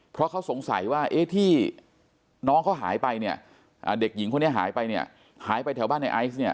เพราะเขาสงสัยว่าที่น้องเขาหายไปหายไปแถวบ้านไอฟ์